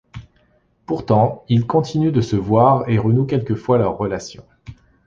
Pourtant, ils continuent de se voir et renouent quelquefois leurs relations.